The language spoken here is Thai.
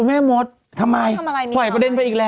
สวัสดีค่ะข้าวใส่ไข่สดใหม่เยอะสวัสดีค่ะ